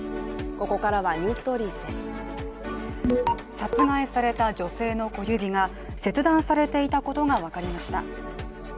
殺害された女性の小指が切断されていたことが分かりました。